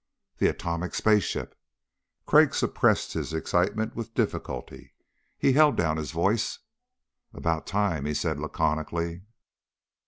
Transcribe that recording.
The atomic spaceship! Crag suppressed his excitement with difficulty. He held down his voice. "About time," he said laconically.